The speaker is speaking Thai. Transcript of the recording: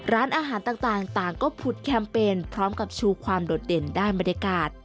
ร้านอาหารต่างก็ผุดแคมเปญพร้อมกับชูความโดดเด่นด้านบรรยากาศ